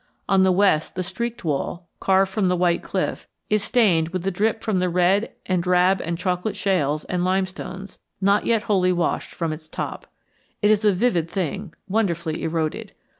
On the west the Streaked Wall, carved from the White Cliff, is stained with the drip from the red and drab and chocolate shales and limestones not yet wholly washed from its top. It is a vivid thing, wonderfully eroded.